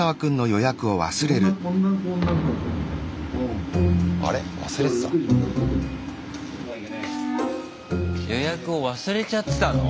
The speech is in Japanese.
予約を忘れちゃってたの？